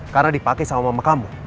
karena dipakai sama mama kamu